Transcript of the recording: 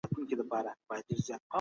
باید د بدو ملګرو مخه ونیول سي.